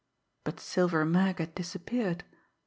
But Silver Mag had disappeared.